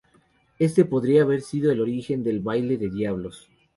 Este podría haber sido el origen del baile de diablos.